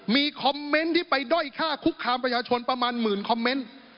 มีคอมเมนต์ที่ไปด้อยค่าคุกคามประชาชนประมาณหมื่นคอมเมนต์